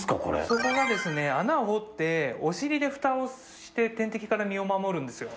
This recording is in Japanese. そこはですね穴を掘ってお尻でフタをして天敵から身を守るんですよ。